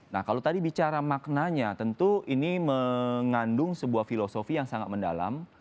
nah kalau tadi bicara maknanya tentu ini mengandung sebuah filosofi yang sangat mendalam